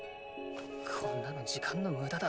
こんなの時間のムダだ。